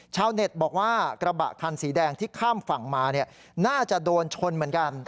เน็ตบอกว่ากระบะคันสีแดงที่ข้ามฝั่งมาน่าจะโดนชนเหมือนกัน